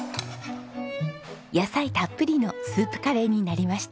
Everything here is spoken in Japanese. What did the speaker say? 野菜たっぷりのスープカレーになりました。